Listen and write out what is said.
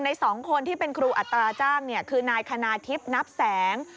ใน๒คนที่เป็นครูอัตราจ้างคือนายคณาทิพย์นับแสง